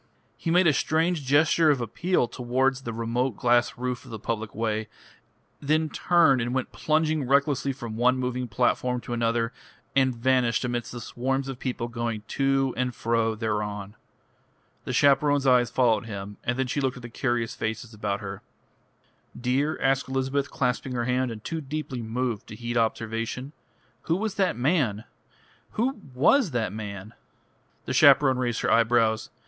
He made a strange gesture of appeal towards the remote glass roof of the public way, then turned and went plunging recklessly from one moving platform to another, and vanished amidst the swarms of people going to and fro thereon. The chaperone's eyes followed him, and then she looked at the curious faces about her. "Dear," asked Elizabeth, clasping her hand, and too deeply moved to heed observation, "who was that man? Who was that man?" The chaperone raised her eyebrows.